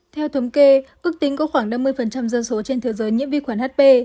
theo thống kê ước tính có khoảng năm mươi dân số trên thế giới nhiễm vi khuẩn hp